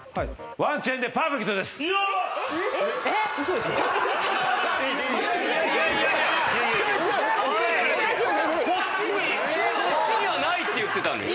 ワンチェンでパーフェクトです。